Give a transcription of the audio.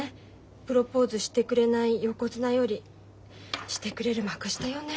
プロポーズしてくれない横綱よりしてくれる幕下よね。